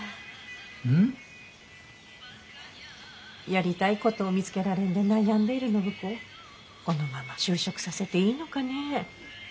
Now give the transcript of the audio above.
やりたいことを見つけられんで悩んでる暢子をこのまま就職させていいのかねぇ。